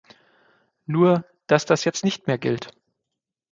Nur, dass das jetzt nicht mehr gilt.